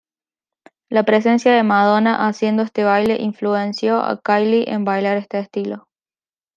La presencia de Madonna haciendo este baile influenció a Kylie en bailar este estilo.